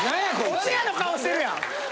お通夜の顔してるやん！